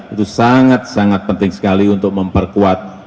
itu sangat sangat penting sekali untuk memperkuat